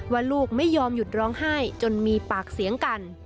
ว่าลูกไม่ยอมหยุดร้องไห้จนมีปากเสียงกัน